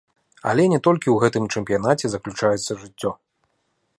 Але не толькі ў гэтым чэмпіянаце заключаецца жыццё.